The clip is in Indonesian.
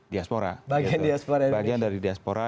diaspora bagian dari diaspora